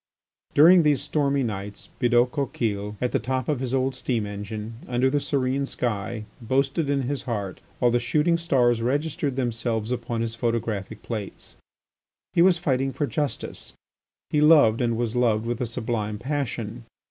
During these stormy nights Bidault Coquille at the top of his old steam engine, under the serene sky, boasted in his heart, while the shooting stars registered themselves upon his photographic plates. He was fighting for justice. He loved and was loved with a sublime passion.